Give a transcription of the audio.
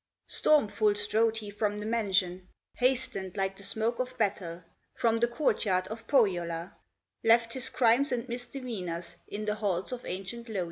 Stormful strode he from the mansion, Hastened like the smoke of battle, From the court yard of Pohyola, Left his crimes and misdemeanors In the halls of ancient Louhi.